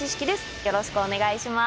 よろしくお願いします。